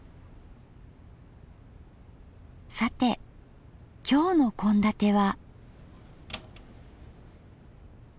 さて今日の献立は。